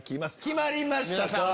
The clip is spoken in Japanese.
決まりましたか？